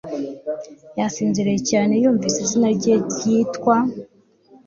Yasinziriye cyane yumvise izina rye ryitwa